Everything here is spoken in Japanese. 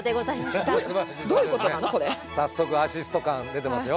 早速アシスト感出てますよ。